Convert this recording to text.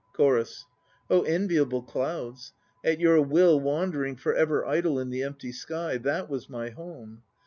CHORUS. Oh, enviable clouds, At your will wandering For ever idle in the empty sky That was my home!